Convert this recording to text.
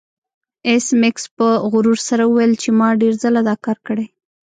ایس میکس په غرور سره وویل چې ما ډیر ځله دا کار کړی